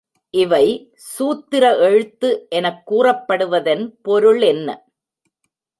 இவை சூத்திர எழுத்து எனக் கூறப்படுவதன் பொருளென்ன?